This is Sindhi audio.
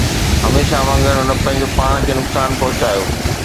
هميشه وانگر، هن پنهنجو پاڻ کي نقصان پهچايو.